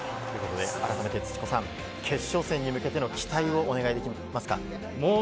改めて決勝戦に向けての期待をお願いできますか？